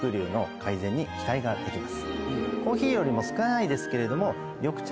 コーヒーよりも少ないですけれども。